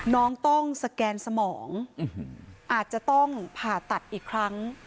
น้องต้องสแกนสมองอาจจะต้องผ่าตัดอีกครั้ง